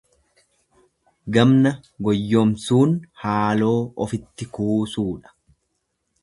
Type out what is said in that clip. Gamna goyyomsuun haaloo ofitti kuusuudha.